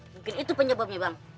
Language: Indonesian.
mungkin itu penyebabnya bang